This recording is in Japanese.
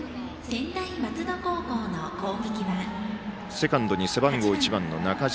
セカンドに背番号１番の中嶋。